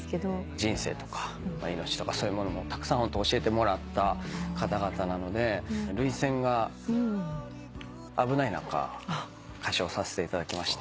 人生とか命とかそういうものもたくさん教えてもらった方々なので涙腺が危ない中歌唱させていただきました。